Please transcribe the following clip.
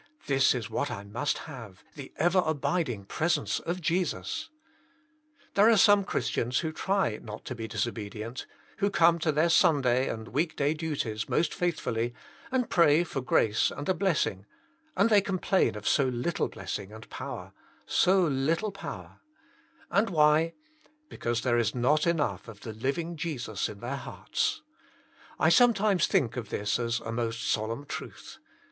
This is what I must have, the ever abiding presence of Jesus 1 There are some Christians who try not to be disobedi 4 50 Jesus Himself, ent, who come to their Sunday and week day duties most faithfully, and pray for grace and a blessing, and they complain of so little blessing and power, so little power I And why ? Because there is not enough of the liv ing Jesus in their hearts. I some times think of this as a most solemn truth.